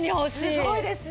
すごいですね。